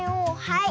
はい。